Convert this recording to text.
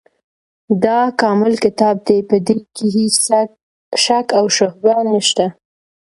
دا کامل کتاب دی، په دي کي هيڅ شک او شبهه نشته